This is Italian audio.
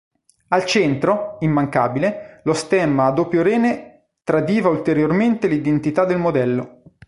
Al centro, immancabile, lo stemma a doppio rene tradiva ulteriormente l'identità del modello.